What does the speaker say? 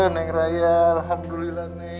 neng raya alhamdulillah neng sadar